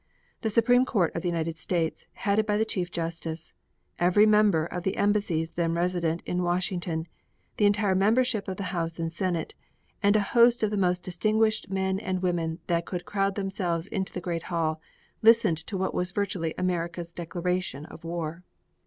The Supreme Court of the United States, headed by the Chief Justice, every member of the embassies then resident in Washington, the entire membership of the House and Senate, and a host of the most distinguished men and women that could crowd themselves into the great hall, listened to what was virtually America's Declaration of War.